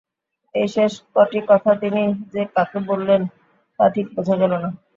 এই শেষ কটি কথা তিনি যে কাকে বললেন তা ঠিক বোঝা গেল না।